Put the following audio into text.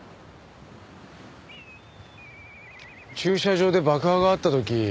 駐車場で爆破があった時。